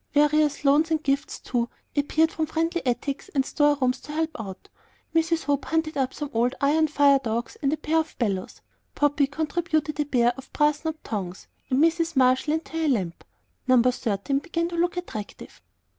Various loans and gifts, too, appeared from friendly attics and store rooms to help out. Mrs. Hope hunted up some old iron firedogs and a pair of bellows, Poppy contributed a pair of brass knobbed tongs, and Mrs. Marsh lent her a lamp. No. 13 began to look attractive.